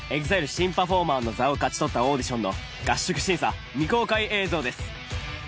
新パフォーマーの座を勝ち取ったオーディションの合宿審査未公開映像です。